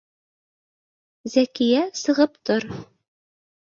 — Зәкиә, сығып тор